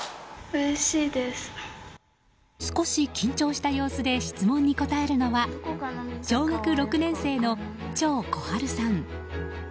少し緊張した様子で質問に答えるのは小学６年生の張心治さん。